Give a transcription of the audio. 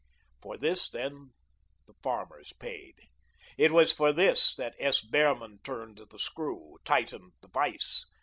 For this, then, the farmers paid. It was for this that S. Behrman turned the screw, tightened the vise.